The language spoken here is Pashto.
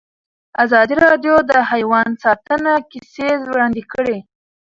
ازادي راډیو د حیوان ساتنه کیسې وړاندې کړي.